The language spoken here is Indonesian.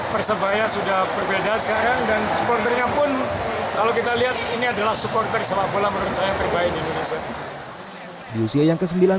persebaya sudah berbeda sekarang dan supporternya pun kalau kita lihat ini adalah supporter sepak bola menurut saya terbaik di indonesia